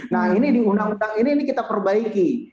nah ini di undang undang ini ini kita perbaiki